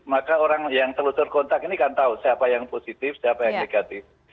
maka orang yang telusur kontak ini kan tahu siapa yang positif siapa yang negatif